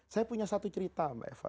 saya punya satu cerita mbak eva